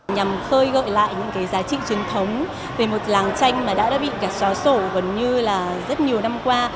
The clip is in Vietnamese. nhằm khơi gọi lại những giá trị truyền thống về một làng tranh mà đã bị gạt xóa sổ gần như rất nhiều năm qua